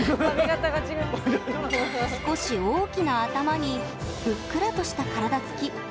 少し大きな頭にふっくらとした体つき。